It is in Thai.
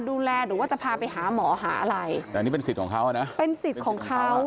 หรือว่าจะพาไปหาหมอหาอะไรแต่นี่เป็นสิทธิ์ของเขาอ่ะนะเป็นสิทธิ์ของเขา